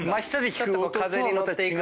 ちょっと風に乗っていく。